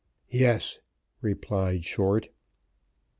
"Yes," replied Short.